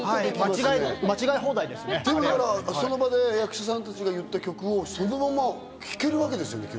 その場で役者さんたちが言った曲をそのまま弾けるわけですね。